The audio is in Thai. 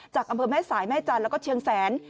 อำเภอแม่สายแม่จันทร์แล้วก็เชียงแสน